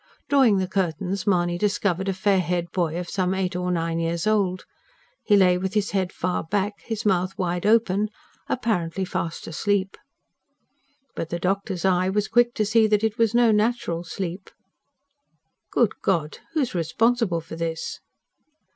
Drawing the curtains Mahony discovered a fair haired boy of some eight or nine years old. He lay with his head far back, his mouth wide open apparently fast asleep. But the doctor's eye was quick to see that it was no natural sleep. "Good God! who is responsible for this?"